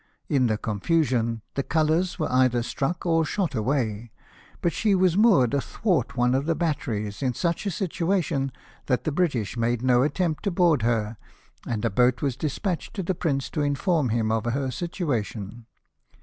In the confusion, the colours were either struck or shot away; but she was mo:^red athwart one of the bat teries in such a situation that the British made no attempt to board her, and a boat was despatched to the Prince to inform him of her situation.